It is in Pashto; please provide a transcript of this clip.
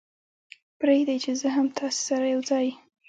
پرېږدئ چې زه هم تاسې سره یو ځای.